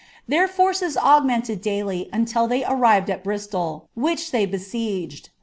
Their forces augmented daily until they arrired al Piirtt^i which they besieged.